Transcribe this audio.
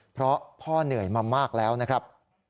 เพราะพ่อเหนื่อยมามากแล้วนะครับ